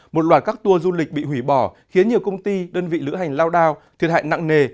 một loạt các tour du lịch bị hủy bỏ khiến nhiều công ty đơn vị lữ hành lao đao thiệt hại nặng nề